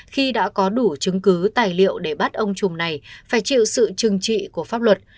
khi đã có đủ chứng cứ tài liệu để bắt ông trùm này phải chịu sự trừng trị của pháp luật